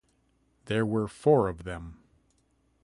There were four of them.